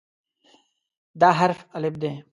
دا حرف "الف" دی.